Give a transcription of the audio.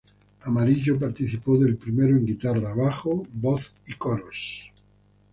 Amarillo participó del primero en guitarra, bajo, voz y coros.